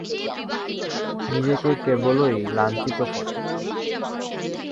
নিজেকে কেবলই লাঞ্ছিত করে।